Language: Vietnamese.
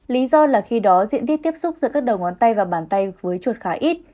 lý do là khi đó diện tích tiếp xúc giữa các đầu ngón tay và bàn tay với chuột khá ít